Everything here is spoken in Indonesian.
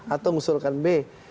atau mengusulkan b